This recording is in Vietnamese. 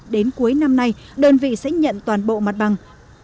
đến cuối năm nay đơn vị sẽ nhận toàn bộ mặt bằng